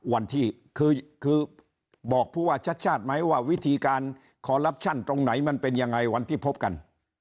วันที่คือบอกผู้ว่าชัดชาติไหมว่าวิธีการคอลลับชั่นตรงไหนมันเป็นยังไงวันที่พบกัน